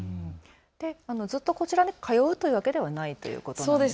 ずっとこちらに通うというわけではないということなんですね。